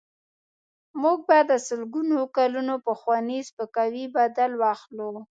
موږ به د سلګونو کلونو پخواني سپکاوي بدل واخلو.